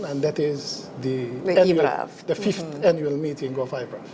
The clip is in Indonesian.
dan itu adalah pertemuan tahun ke lima dari ibraf